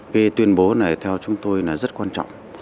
cái tuyên bố này theo chúng tôi là rất quan trọng